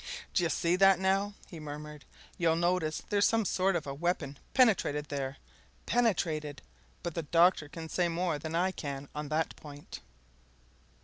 "D'ye see that, now?" he murmured. "You'll notice there's some sort of a weapon penetrated there penetrated! But the doctor can say more than I can on that point."